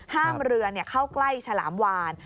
ห้ามเรือเข้าใกล้ฉลามวาน